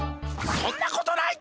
そんなことない！